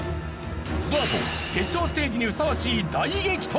このあと決勝ステージにふさわしい大激闘。